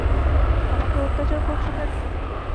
আমাকে অত্যাচার করছ কেন?